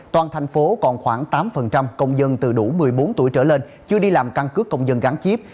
toàn thành phố còn khoảng tám công dân từ đủ một mươi bốn tuổi trở lên chưa đi làm căn cước công dân gắn chip